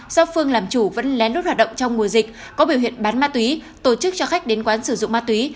do phương làm chủ vẫn lén lút hoạt động trong mùa dịch có biểu hiện bán ma túy tổ chức cho khách đến quán sử dụng ma túy